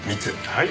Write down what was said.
はい。